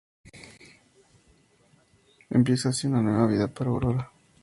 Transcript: Empieza así una nueva vida para Aurora.